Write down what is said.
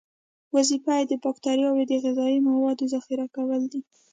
وظیفه یې د باکتریاوو د غذایي موادو ذخیره کول دي.